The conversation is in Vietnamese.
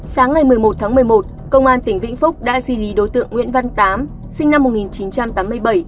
sáng ngày một mươi một tháng một mươi một công an tỉnh vĩnh phúc đã di lý đối tượng nguyễn văn tám sinh năm một nghìn chín trăm tám mươi bảy